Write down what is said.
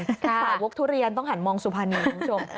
สาววกทุเรียนต้องหันมองสุพรรณีคุณผู้ชม